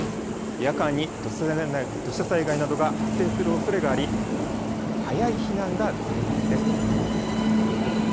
夜間に土砂災害などが発生するおそれがあり早い避難が大切です。